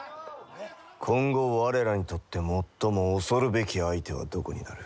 今後我らにとって最も恐るべき相手はどこになる？